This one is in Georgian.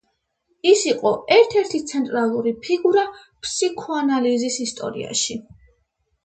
ის იყო ერთ-ერთი ცენტრალური ფიგურა ფსიქოანალიზის ისტორიაში.